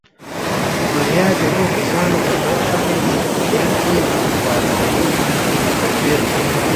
بریا د هغو کسانو په برخه وي چې خپلې هڅې او توانایۍ په تدبیر